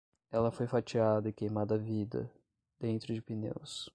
Ela foi fatiada e queimada vida, dentro de pneus